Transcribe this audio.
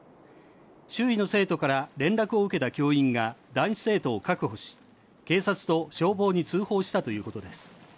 周囲の生徒から連絡を受けた教員が男子生徒を確保し警察と消防に通報したということです。